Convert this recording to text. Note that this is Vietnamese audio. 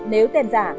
nếu tem giả